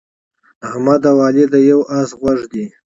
احمد او علي د یوه اس غوږ دي.